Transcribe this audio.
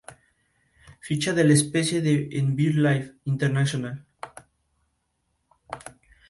Walker nació en Filadelfia, Pensilvania.